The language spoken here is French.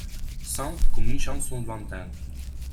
Sent comme une chanson lointaine -